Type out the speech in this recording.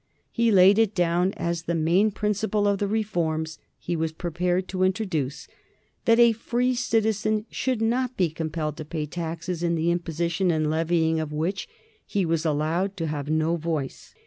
He laid it down as the main principle of the reforms he was prepared to introduce that a free citizen should not be compelled to pay taxes in the imposition and levying of which he was allowed to have no voice.